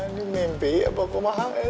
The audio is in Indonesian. neng ini mimpi apa kumahangnya teh